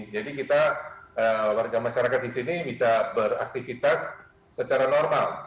jadi kita warga masyarakat di sini bisa beraktifitas secara normal